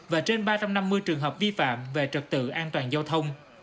và trên ba trăm năm mươi trường hợp vi phạm về trật tự an toàn giao thông